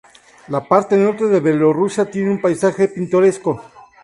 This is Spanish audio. La parte norte de Bielorrusia tiene un paisaje pintoresco.